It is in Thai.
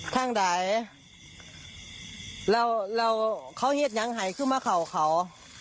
ทางใดเราเราเขาเห็นอย่างไห่ขึ้นมาเขาเขา